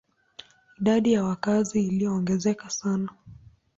Idadi ya wakazi iliongezeka sana.